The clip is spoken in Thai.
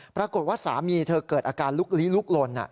ปรากฏว่าสามีเธอเกิดอาการลุกลี้ลุกลน